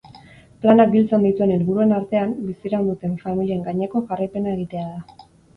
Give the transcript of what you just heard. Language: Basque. Planak biltzen dituen helburuen artean, biziraun duten familien gaineko jarraipena egitea da.